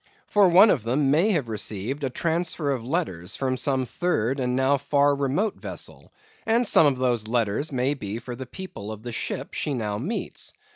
For one of them may have received a transfer of letters from some third, and now far remote vessel; and some of those letters may be for the people of the ship she now meets.